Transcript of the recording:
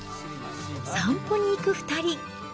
散歩に行く２人。